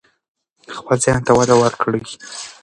خپل ذهن ته وده ورکړئ.